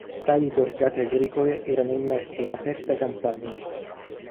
Tali borgate agricole erano immerse in aperta campagna.